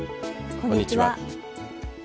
こんにちは。